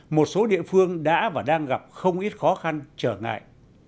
một số địa phương đã và đang gặp không ít khó khăn trở ngại